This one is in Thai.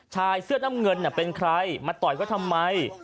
ชายเสื้อน้ำเงินเป็นใครมาต่อยเขาทำไม